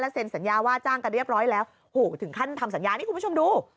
เซ็นสัญญาว่าจ้างกันเรียบร้อยแล้วโหถึงขั้นทำสัญญานี่คุณผู้ชมดู